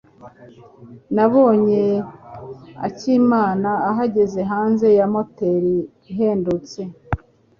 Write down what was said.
Nabonye Akimana ahagaze hanze ya motel ihendutse.